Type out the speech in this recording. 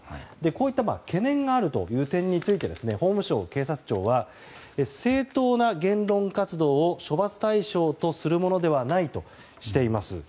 こういった懸念があるという点について法務省・警察庁は正当な言論活動は処罰対象とするものではないとしています。